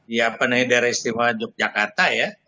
ya penuh dari istimewa yogyakarta ya